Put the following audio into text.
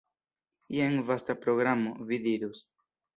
Jen vasta programo, vi dirus.